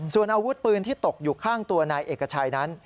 ส่วนอาวุธปืนที่ตกอยู่ข้างตัวนายเอกชัยนั้น